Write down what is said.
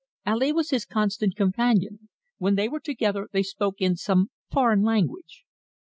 "Ali was his constant companion. When they were together they spoke in some foreign language."